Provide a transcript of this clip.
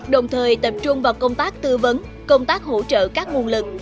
đồng thời tập trung vào công tác tư vấn công tác hỗ trợ các nguồn lực